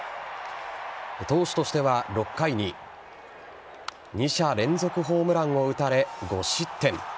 投手としては６回に２者連続ホームランを打たれ５失点。